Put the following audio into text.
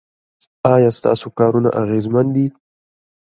ایا ستاسو کارونه اغیزمن دي؟